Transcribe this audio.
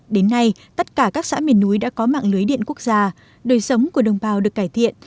đến nay tất cả các xã miền núi đã có mạng lưới điện quốc gia đời sống của đồng bào được cải thiện